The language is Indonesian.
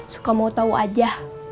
suka mau tau aja